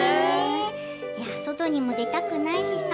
外にも出たくないしさ。